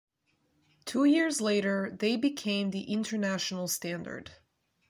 Two years later, they became the international standard.